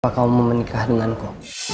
apa kau mau menikah denganku